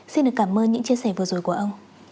xin được cảm ơn những chia sẻ vừa rồi của ông